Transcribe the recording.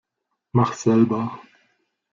Mach selber!